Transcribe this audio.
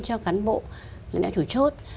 cho cán bộ lãnh đạo chủ chốt